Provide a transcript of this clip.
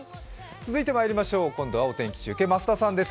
続いてはまいりましょう、今度はお天気中継、増田さんです。